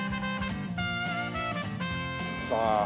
さあ。